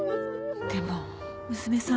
でも娘さん